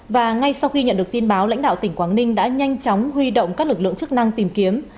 và ngay sau khi nhận được tin báo lãnh đạo tỉnh quảng ninh đã nhanh chóng huy động các lực lượng chức năng tìm kiếm